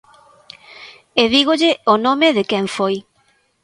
E dígolle o nome de quen foi.